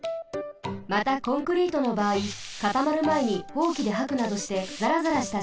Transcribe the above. またコンクリートのばあいかたまるまえにホウキではくなどしてざらざらしたしあげにします。